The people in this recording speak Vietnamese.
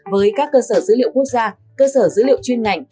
với các cơ sở dữ liệu quốc gia cơ sở dữ liệu chuyên ngành